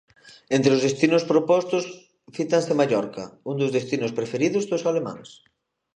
Entre os destinos propostos cítanse Mallorca, un dos destinos preferidos dos alemáns.